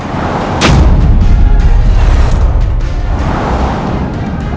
ranggabuana mendatangkan pijak gewoon